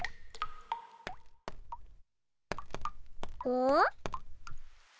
お？